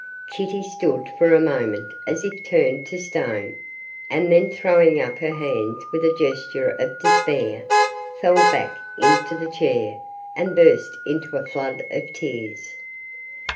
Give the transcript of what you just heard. Kitty stood for a moment as if turned to stone, and then throwing up her hands with a gesture of despair, fell back into the chair, and burst into a flood of tears.